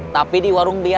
tapi di warung biaya